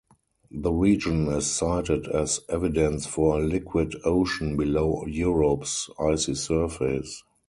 The region is cited as evidence for a liquid ocean below Europa's icy surface.